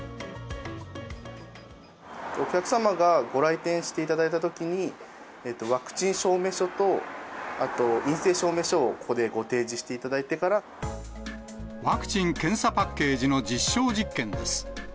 お客様がご来店していただいたときに、ワクチン証明書と、あと陰性証明書を、ワクチン・検査パッケージの実証実験です。